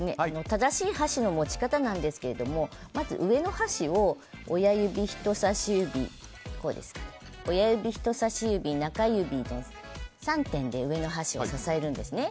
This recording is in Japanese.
正しい箸の持ち方なんですがまず上の箸を親指、人さし指、中指の３点で上の箸を支えるんですね。